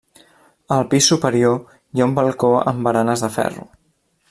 Al pis superior hi ha un balcó amb baranes de ferro.